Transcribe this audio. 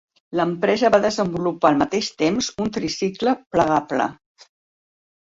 L'empresa va desenvolupar al mateix temps un tricicle plegable.